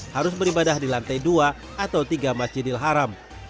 harus beribadah di lantai dua atau tiga masjidil haram